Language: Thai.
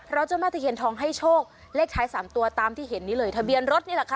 เพราะเจ้าแม่ตะเคียนทองให้โชคเลขท้าย๓ตัวตามที่เห็นนี้เลยทะเบียนรถนี่แหละค่ะ